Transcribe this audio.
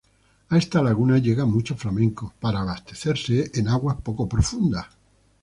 A esta laguna llegan muchos flamencos para abastecerse en aguas poco profundas.